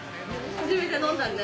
初めて飲んだね。